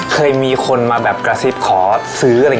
เคยมีคนมาแบบกระทริปขอซื้อ